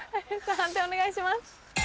判定お願いします。